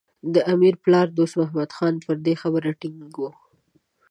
د امیر پلار دوست محمد پر دې خبره ټینګ و.